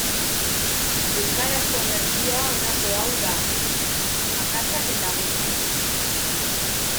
Euskarazko bertsioa honako hau da, akatsak eta guzti.